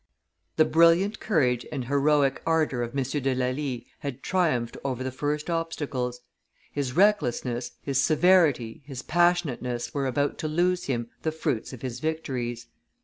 The brilliant courage and heroic ardor of M. de Lally had triumphed over the first obstacles; his recklessness, his severity, his passionateness were about to lose him the fruits of his victories.